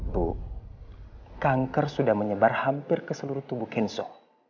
bu kanker sudah menyebar hampir ke seluruh tubuh kenso